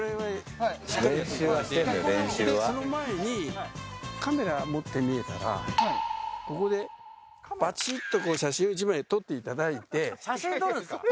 練習はカメラ持ってみえたらここでバチッと写真を１枚撮っていただいて写真撮るんすか？